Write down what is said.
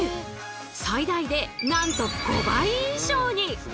最大でなんと５倍以上に。